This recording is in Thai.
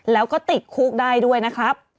แล้วก็ติดคุกได้ด้วยนะครับ